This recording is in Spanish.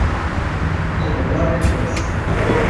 Como Warner Bros.